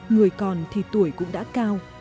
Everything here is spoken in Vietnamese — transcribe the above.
người còn thì tuổi cũng đã cao